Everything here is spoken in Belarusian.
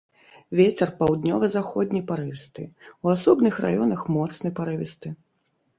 Вецер паўднёва-заходні парывісты, у асобных раёнах моцны парывісты.